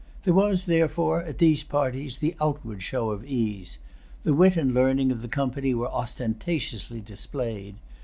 There was, therefore, at these parties the outward show of ease. The wit and learning of the company were ostentatiously displayed.